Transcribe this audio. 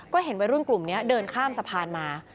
ก็เห็นวัยรุ่นกลุ่มนี้เดินข้ามสะพานมา